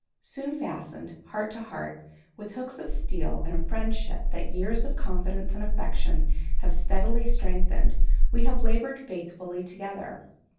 Soon fastened, heart to heart, with hooks of steel in a friendship that years of confidence and affection have steadily strengthened, we have labored faithfully together.